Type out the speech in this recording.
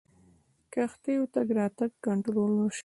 کښتیو تګ راتګ کنټرول شي.